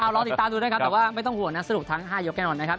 รอติดตามดูนะครับแต่ว่าไม่ต้องห่วงนะสรุปทั้ง๕ยกแน่นอนนะครับ